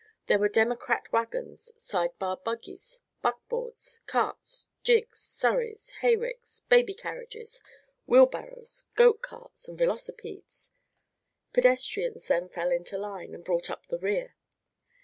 There were democrat wagons, side bar buggies, buckboards, carts, gigs, surreys, hayricks, baby carriages, wheelbarrows, goat carts, and velocipedes. Pedestrians then fell into line, and brought up the rear.